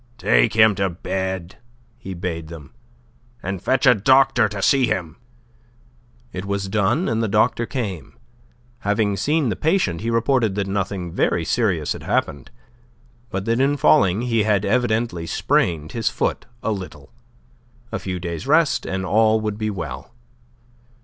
"Take him to bed," he bade them, "and fetch a doctor to see him." It was done, and the doctor came. Having seen the patient, he reported that nothing very serious had happened, but that in falling he had evidently sprained his foot a little. A few days' rest and all would be well.